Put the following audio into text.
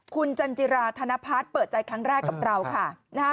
คุณจันจิราธนพัฒน์เปิดใจครั้งแรกกับเราค่ะนะฮะ